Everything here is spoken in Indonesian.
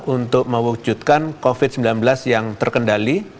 untuk mewujudkan covid sembilan belas yang terkendali